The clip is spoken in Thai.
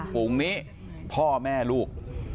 ขุงนี้ผ้าแม่ลูก